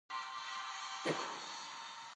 ماشوم باید د نوي چاپېریال سره مثبت چلند زده کړي.